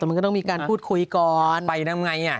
มันก็ต้องมีการพูดคุยก่อนไปทำไงอ่ะ